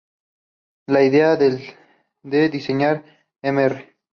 La idea de diseñar Mr.